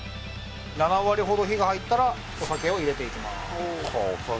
７割ほど火が入ったらお酒を入れていきます